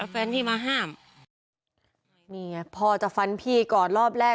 แฟนพี่มาห้ามนี่ไงพ่อจะฟันพี่ก่อนรอบแรก